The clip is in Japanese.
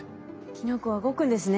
キノコは動くんですね。